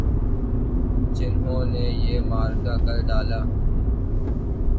جنہوں نے یہ معرکہ کر ڈالا۔